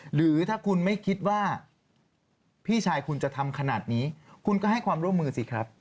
หรือถ้าคุณไม่คิดว่าพี่ชายคุณจะทำขนาดนี้คุณก็ให้ความร่วมมือสิครับ